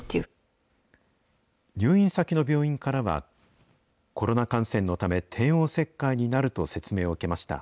入院先の病院からは、コロナ感染のため、帝王切開になると説明を受けました。